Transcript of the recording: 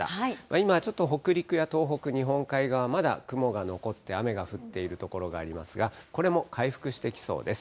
今、ちょっと北陸や東北、日本海側、まだ雲が残って、雨が降っている所がありますが、これも回復していきそうです。